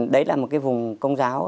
đấy là một cái vùng công giáo